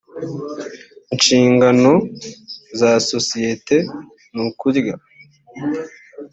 inshingano za sosiyete nukrya